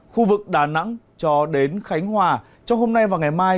khu vực đà nẵng cho đến khánh hòa trong hôm nay và ngày mai